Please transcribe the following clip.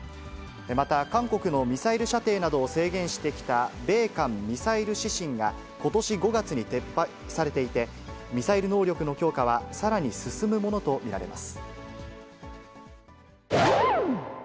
また、韓国のミサイル射程などを制限してきた米韓ミサイル指針がことし５月に撤廃されていて、ミサイル能力の強化はさらに進むものと見られます。